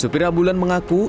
supir ambulan mengaku